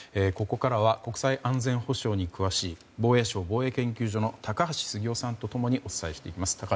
ここからは国際安全保障に詳しい防衛省防衛研究所の高橋杉雄さんと共にお伝えしていきます。